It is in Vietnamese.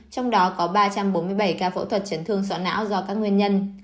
trong đó có ba trăm bốn mươi bảy ca phẫu thuật chấn thương sọ não do các nguyên nhân